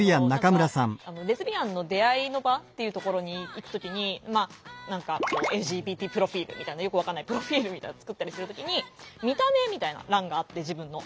レズビアンの出会いの場っていうところに行く時に何かＬＧＢＴプロフィールみたいなよく分かんないプロフィールみたいなの作ったりする時に「見た目」みたいな欄があって自分の。